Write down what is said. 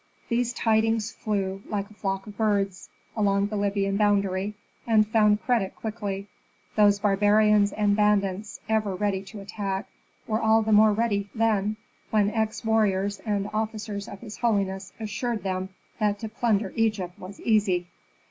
These tidings flew, like a flock of birds, along the Libyan boundary, and found credit quickly. Those barbarians and bandits ever ready to attack, were all the more ready then, when ex warriors and officers of his holiness assured them that to plunder Egypt was easy.